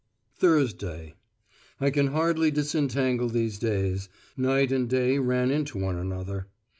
THURSDAY I can hardly disentangle these days; night and day ran into one another.